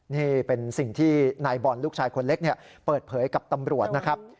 นี่เป็นสิ่งที่นายบอลลูกชายคนเล็กเปิดเผยกับตำรวจนะครับ